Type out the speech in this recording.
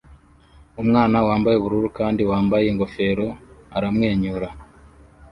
Umwana wambaye ubururu kandi wambaye ingofero aramwenyura